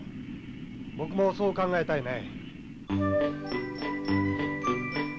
僕もそう考えたいね。